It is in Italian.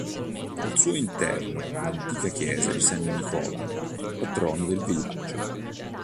Al suo interno l'antica chiesa di San Nicola, patrono del villaggio.